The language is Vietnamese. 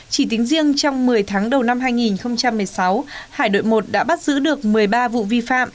chỉ tính riêng trong một mươi tháng đầu năm hai nghìn một mươi sáu hải đội một đã bắt giữ được một mươi ba vụ vi phạm